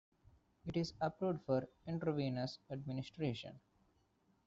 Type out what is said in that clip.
It is approved for intravenous administration.